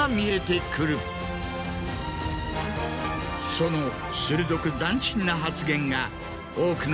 その鋭く斬新な発言が。